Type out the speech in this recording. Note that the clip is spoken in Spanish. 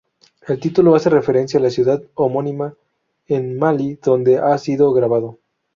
El título hace referencia a la ciudad homónima en Mali donde ha sido grabado.